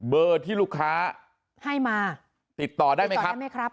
เบอร์ที่ลูกค้าให้มาติดต่อได้ไหมครับติดต่อได้ไหมครับ